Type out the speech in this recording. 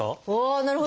なるほど！